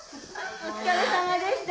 お疲れさまでした。